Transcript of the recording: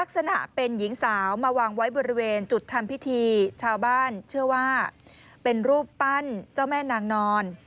สาวมาวางไว้บริเวณจุดทำพิธีชาวบ้านเชื่อว่าเป็นรูปปั้นเจ้าแม่นางนอน